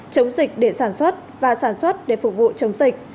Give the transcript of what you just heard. chống dịch để sản xuất và sản xuất để phục vụ chống dịch